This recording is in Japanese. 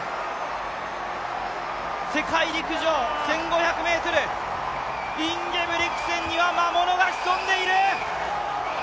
世界陸上、１５００ｍインゲブリクセンには魔物が潜んでいる！